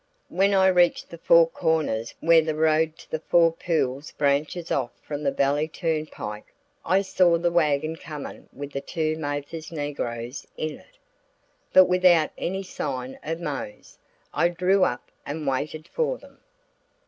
When I reached the four corners where the road to Four Pools branches off from the valley turnpike, I saw the wagon coming with the two Mathers negroes in it, but without any sign of Mose. I drew up and waited for them.